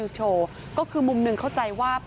ตอนนี้ขอเอาผิดถึงที่สุดยืนยันแบบนี้